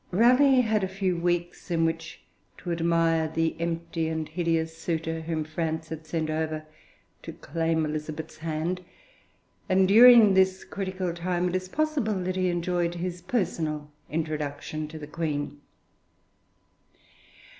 Raleigh had a few weeks in which to admire the empty and hideous suitor whom France had sent over to claim Elizabeth's hand, and during this critical time it is possible that he enjoyed his personal introduction to the Queen.